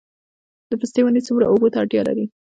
د پستې ونې څومره اوبو ته اړتیا لري؟